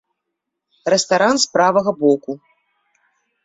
Рэстаран з правага боку.